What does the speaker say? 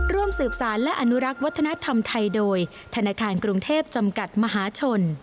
ร่วมสืบสารและอนุรักษ์วัฒนธรรมไทยโดยธนาคารกรุงเทพจำกัดมหาชน